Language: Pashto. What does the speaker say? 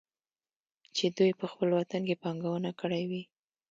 چې دوي په خپل وطن کې پانګونه کړى وى.